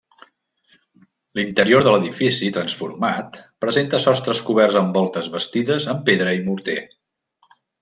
L'interior de l'edifici, transformat, presenta sostres coberts amb voltes bastides amb pedra i morter.